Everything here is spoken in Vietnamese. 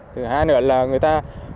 thứ hai nữa là người ta